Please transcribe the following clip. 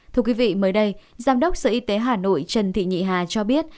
thưa quý vị mới đây giám đốc sở y tế hà nội trần thị nhị hà cho biết